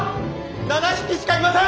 ７匹しかいません！